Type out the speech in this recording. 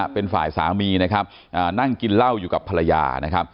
เป็นฝ่ายสามีนั่งกินเหล้าอยู่กับภรรยา